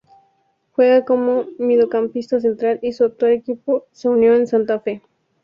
Juega como mediocampista central y su actual equipo es Unión de Santa Fe.